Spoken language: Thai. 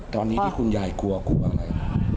ตอนนี้ที่คุณยายกลัวกลัวอะไร